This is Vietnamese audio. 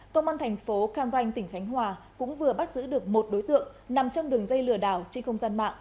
công an thành phố cam ranh tỉnh khánh hòa cũng vừa bắt giữ được một đối tượng nằm trong đường dây lừa đảo trên không gian mạng